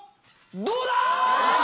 どうだ